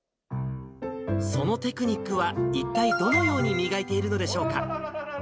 そのテクニックは一体どのように磨いているのでしょうか。